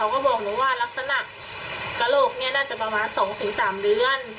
ก็บอกหนูว่ารักษณะกระโหลกเนี่ยน่าจะประมาณสองถึงสามเดือน